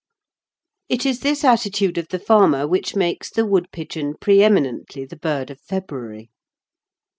It is this attitude of the farmer which makes the woodpigeon pre eminently the bird of February.